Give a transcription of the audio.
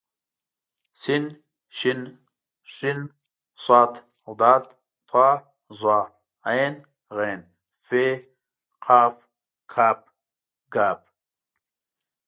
س ش ښ ص ض ط ظ ع غ ف ق ک ګ